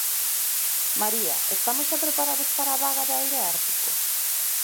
María, Estamos xa preparados para a vaga de aire ártico?